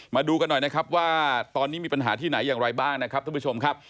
มาดูกันหน่อยนะครับว่าตอนนี้มีปัญหาที่ไหนอย่างไรบ้างนะครับท่านผู้ชมครับ